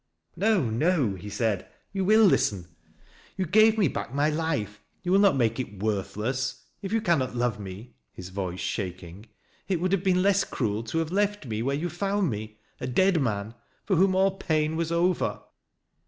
"No, no," he said, "you will listen. You gave me back my life. You will not make it worthless. If you cannot love me," his voice shaking, " it would have been less cruel to have left me where you found me— a dead man, — for whom all pain was over."